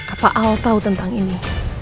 apa al tahu tentang ini